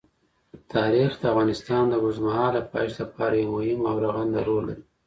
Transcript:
تاریخ د افغانستان د اوږدمهاله پایښت لپاره یو مهم او رغنده رول لري.